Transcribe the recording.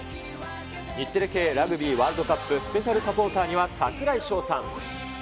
日テレ系ラグビーワールドカップスペシャルサポーターには、櫻井翔さん。